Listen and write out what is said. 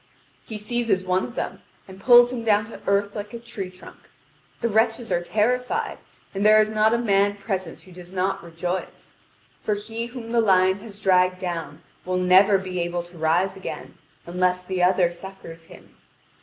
He seizes one of them, and pulls him down to earth like a tree trunk. The wretches are terrified, and there is not a man present who does not rejoice. For he whom the lion has dragged down will never be able to rise again, unless the other succours him.